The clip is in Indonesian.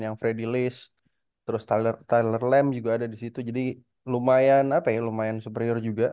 yang freddy list terus tiler lem juga ada di situ jadi lumayan apa ya lumayan superior juga